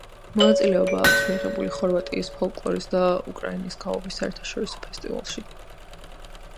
მონაწილეობა აქვს მიღებული ხორვატიის ფოლკლორის და უკრაინის გალობის საერთაშორისო ფესტივალებში.